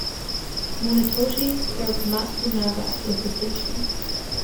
Munetoshi served Matsunaga with distinction.